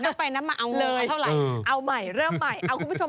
นับไปนับมาเอาเลยเอาใหม่เริ่มใหม่เอาคุณผู้ชม